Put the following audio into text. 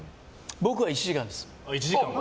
僕は１時間です。